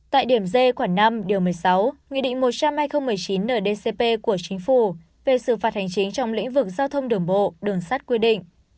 tại điểm d khoản năm điều một mươi sáu nghị định một trăm hai mươi chín ndcp của chính phủ về sự phạt hành chính trong lĩnh vực giao thông đồng bộ đường sát quy định